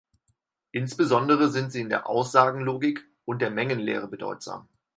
Insbesondere sind sie in der Aussagenlogik und der Mengenlehre bedeutsam.